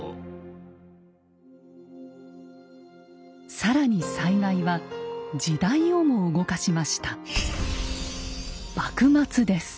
更に災害は時代をも動かしました。